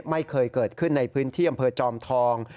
ไม่เคยเกิดขึ้นในพื้นที่อำเภอจอมทอง